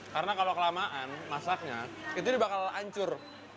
karena kalau kelamaan masaknya itu akan ancur